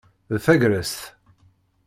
D tagrest.